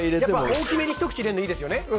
大きめにひと口入れるのいいですよね。